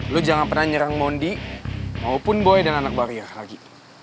lu jangan pernah nyerang mondi maupun boy dan anak baria lagi